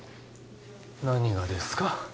何がですか？